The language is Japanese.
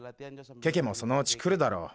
ケケもそのうち来るだろう。